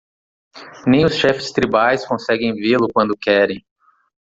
Nem os chefes tribais conseguem vê-lo quando querem.